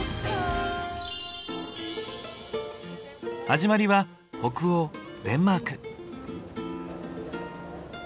始まりは北欧デンマーク。